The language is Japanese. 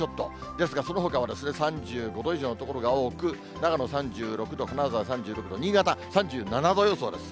ですがそのほかは３５度以上の所が多く、長野３６度、金沢３６度、新潟、３７度予想です。